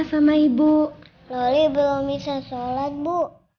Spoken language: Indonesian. maaf sama ibu loli belum bisa shalat bu